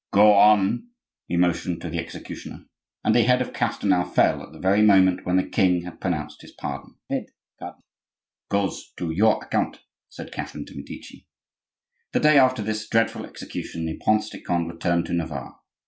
"Go on," he motioned to the executioner, and the head of Castelnau fell at the very moment when the king had pronounced his pardon. "That head, cardinal, goes to your account," said Catherine de' Medici. The day after this dreadful execution the Prince de Conde returned to Navarre.